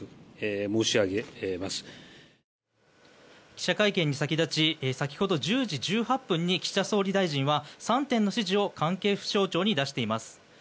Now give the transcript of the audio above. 記者会見に先立ち先ほど１０時１８分に岸田総理大臣は３点の指示を関係省庁に出しています。